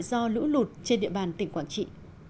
do lũ lụt trên địa bàn tỉnh quảng trị